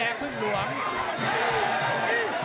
แห่งพุ่งหวง